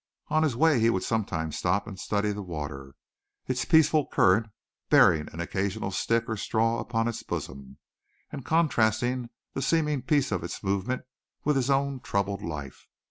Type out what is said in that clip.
On his way he would sometimes stop and study the water, its peaceful current bearing an occasional stick or straw upon its bosom, and contrasting the seeming peace of its movement with his own troubled life.